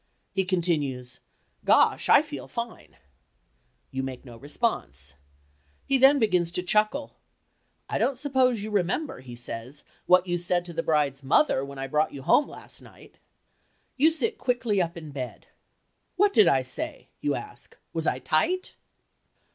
He continues, "Gosh, I feel fine." You make no response. He then begins to chuckle, "I don't suppose you remember," he says, "what you said to the bride's mother when I brought you home last night." You sit quickly up in bed. "What did I say?" you ask. "Was I tight?"